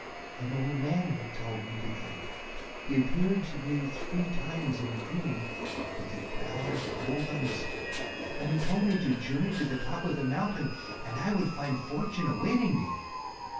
"An old man told me to come. He appeared to me three times in a dream, with a crown of gold on his head, and he told me to journey to the top of the mountain and I would find fortune awaiting me."